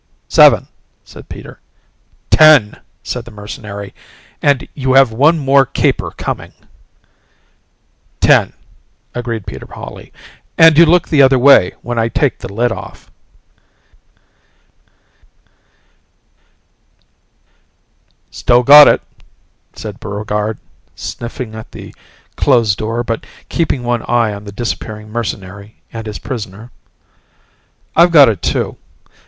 "Seven," said Peter. "Ten," said the mercenary, "and you have one more caper coming." "Ten," agreed Peter Hawley, "and you look the other way when I take the lid off." "Still got it," said Buregarde, sniffing at the closed door but keeping one eye on the disappearing mercenary and his prisoner. "I've got it, too.